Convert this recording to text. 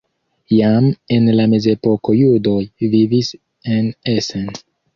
Jam en la mezepoko judoj vivis en Essen.